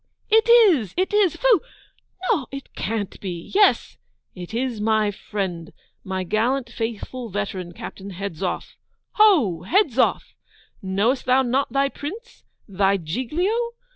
It is, it is! Phoo! No, it can't be! Yes! It is my friend, my gallant faithful veteran, Captain Hedzoff! Ho! Hedzoff! Knowest thou not thy Prince, thy Giglio?